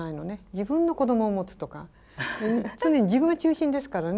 自分の子どもを持つとか常に自分が中心ですからね。